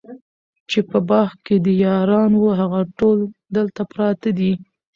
چي په باغ کي دي یاران وه هغه ټول دلته پراته دي